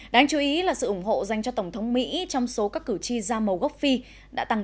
đáng chú ý là sự ủng hộ dành cho tổng thống mỹ trong số các cử tri da màu gốc phi đã tăng